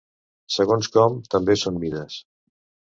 Segons com, també són mides.